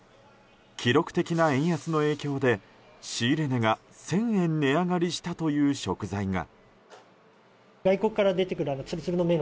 記録的な円安の影響で仕入れ値が１０００円値上がりしたという食材が。